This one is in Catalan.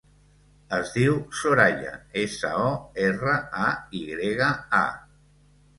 Es diu Soraya: essa, o, erra, a, i grega, a.